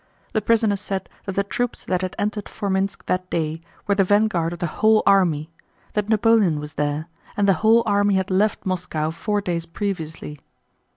The prisoner said that the troops that had entered Formínsk that day were the vanguard of the whole army, that Napoleon was there and the whole army had left Moscow four days previously.